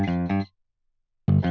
nanti kita beli